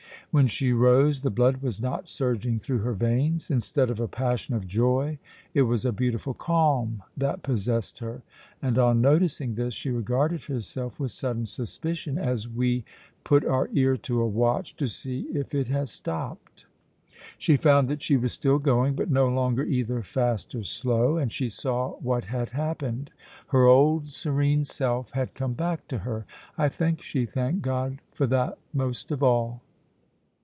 When she rose the blood was not surging through her veins. Instead of a passion of joy it was a beautiful calm that possessed her, and on noticing this she regarded herself with sudden suspicion, as we put our ear to a watch to see if it has stopped. She found that she was still going, but no longer either fast or slow, and she saw what had happened: her old serene self had come back to her. I think she thanked God for that most of all.